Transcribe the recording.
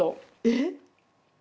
えっ？